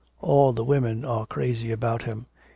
All the women are crazy about him.